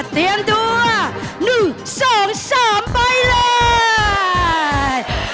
เตรียมตัวหนึ่งสองสามไปเลย